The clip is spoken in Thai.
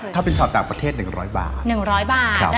ถ้าเป็นชอบจากประเทศ๑๐๐บาท